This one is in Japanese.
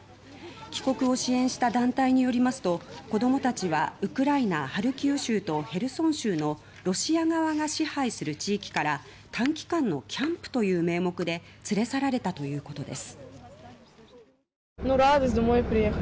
帰国を支援した団体によりますと子供たちはウクライナ・ハルキウ州とヘルソン州のロシア側が支配する地域から短期間のキャンプという名目で連れ去られたということです。